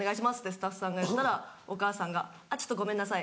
スタッフさんが言ったらお母さんが「ごめんなさい。